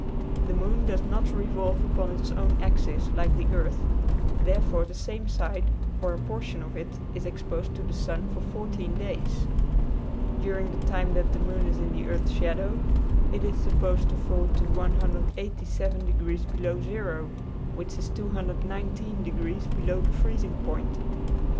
The moon does not revolve upon its own axis like the earth, therefore the same side or a portion of it is exposed to the sun for 14 days. During the time that the moon is in the earth's shadow it is supposed to fall to 187 degrees below zero, which is 219 degrees below the freezing point.